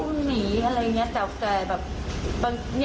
อู๊วหนีอะไรเงี้ยเจาะใกล่แบบด้วย